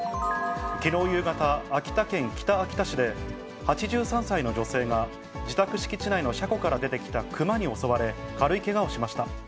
きのう夕方、秋田県北秋田市で、８３歳の女性が自宅敷地内の車庫から出てきた熊に襲われ、軽いけがをしました。